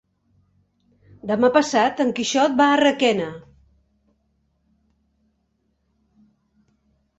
Demà passat en Quixot va a Requena.